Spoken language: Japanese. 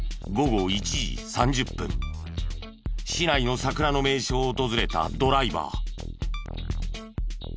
市内の桜の名所を訪れたドライバー。